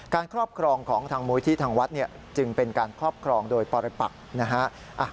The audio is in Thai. ครอบครองของทางมูลที่ทางวัดจึงเป็นการครอบครองโดยปรปักนะฮะ